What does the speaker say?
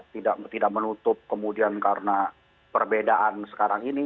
pa dua ratus dua belas tidak menutup kemudian karena perbedaan sekarang ini